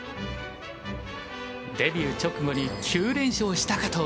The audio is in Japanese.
デビュー直後に９連勝したかと思えば。